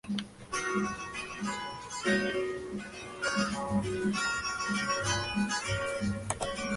La serie ha recibido críticas positivas a lo largo de su carrera.